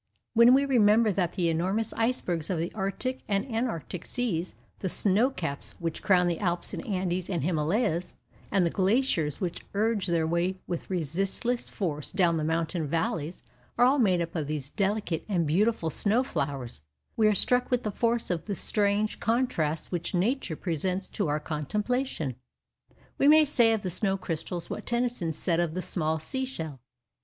When we remember that the enormous icebergs of the Arctic and Antarctic seas, the snow caps which crown the Alps and Andes and Himalayas, and the glaciers which urge their way with resistless force down the mountain valleys, are all made up of these delicate and beautiful snow flowers, we are struck with the force of the strange contrasts which Nature presents to our contemplation. We may say of the snow crystals what Tennyson said of the small sea shell.